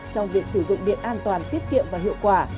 trong việc sử dụng điện an toàn tiết kiệm và hiệu quả